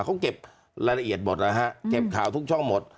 เขาเก็บรายละเอียดหมดนะฮะเก็บข่าวทุกช่องหมด